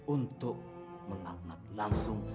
untuk melaknat langsung